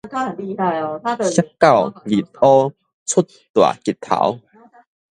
卌九日烏，出大日頭